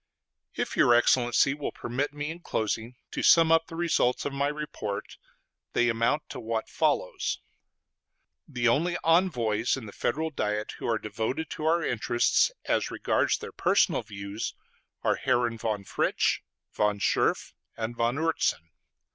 If your Excellency will permit me, in closing, to sum up the results of my report, they amount to what follows: The only envoys in the Federal Diet who are devoted to our interests as regards their personal views are Herren von Fritsch, von Scherff, and von Oertzen.